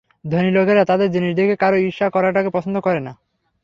ধনী লোকেরা তাদের জিনিস দেখে কারো ঈর্ষা করাটাকে পছন্দ করে না।